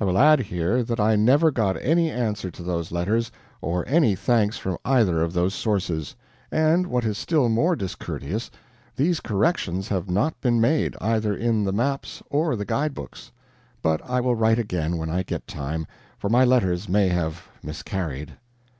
I will add, here, that I never got any answer to those letters, or any thanks from either of those sources; and, what is still more discourteous, these corrections have not been made, either in the maps or the guide books. But I will write again when I get time, for my letters may have miscarried.